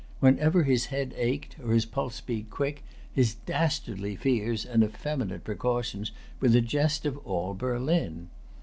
Whenever his head ached, or his pulse beat quick, his dastardly fears and effeminate precautions were the jest of all Berlin.